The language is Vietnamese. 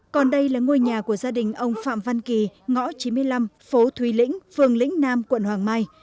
còn đây là ngôi nhà của gia đình ông phạm văn kỳ ngõ chín mươi năm phố thùy lĩnh phường lĩnh nam quận hoàng mai